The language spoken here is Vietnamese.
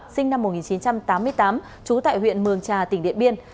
sinh năm một nghìn chín trăm tám mươi tám trú tại huyện mường trà tỉnh điện biên